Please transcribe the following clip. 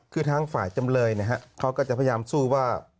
คือทางฝ่ายจำเลยนะฮะเขาก็จะพยายามสู้ว่า